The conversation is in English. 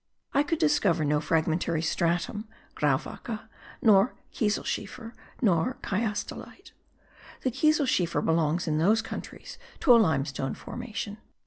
I could discover no fragmentary stratum (grauwacke) nor kieselschiefer nor chiastolite. The kieselschiefer belongs in those countries to a limestone formation.